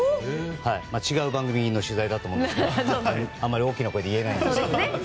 違う番組の取材だったと思うんですけどあんまり大きな声で言えないんですけど。